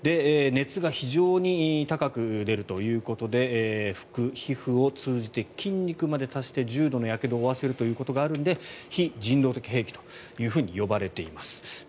熱が非常に高く出るということで服、皮膚を通じて筋肉まで達して重度のやけどを負わせるということがあるので非人道的兵器と呼ばれています。